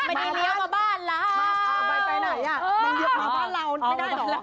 ไม่ได้เลี้ยวมาบ้านแล้ว